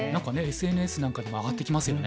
ＳＮＳなんかでも上がってきますよね。